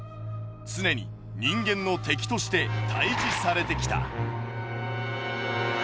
常に人間の敵として退治されてきた。